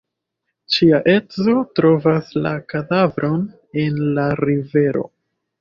Ŝia edzo trovas la kadavron en la rivero.